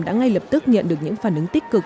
đã ngay lập tức nhận được những phản ứng tích cực